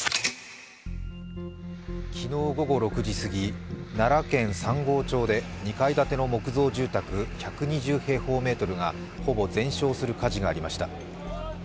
昨日午後６時過ぎ、奈良県三郷町で２階建ての木造住宅１２０平方メートルがほぼ全焼する火事がありました。